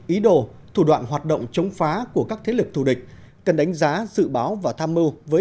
ý đồ thủ đoạn hoạt động chống phá của các thế lực thù địch cần đánh giá dự báo và tham mưu với